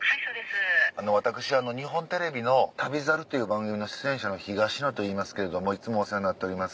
私日本テレビの『旅猿』という番組の出演者の東野といいますけれどもいつもお世話になっております。